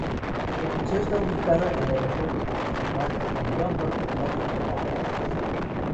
El museo está ubicado en el Aeropuerto Internacional de London, Ontario, Canadá.